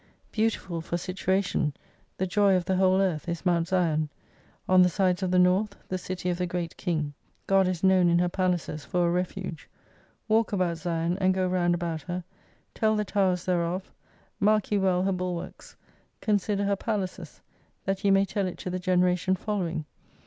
Beautiful for situation, the joy of the whole earth is Mount Sion ; on the sides of the north, the city of the Great Kijig. God is known in her palaces for a refuge. Walk about Sion and go round about her, tell the towers thereof; mark ye well ber bulwarks, consider her palaces, that ye may tell it to the generation follozving.